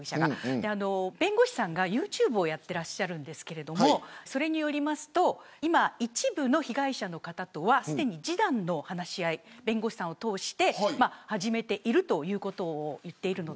弁護士さんがユーチューブをやっていらっしゃるんですがそれによりますと今、一部の被害者の方とはすでに示談の話し合い弁護士をとおして始めているということを言っています。